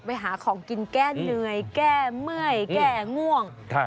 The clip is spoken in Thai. ไปหาของกินแก้เหนื่อยแก้เมื่อยแก้ง่วง